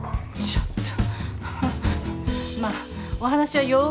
ちょっと。